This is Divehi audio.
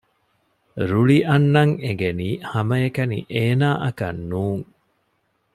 ރުޅިއަންނަން އެނގެނީ ހަމައެކަނި އޭނާއަކަށް ނޫން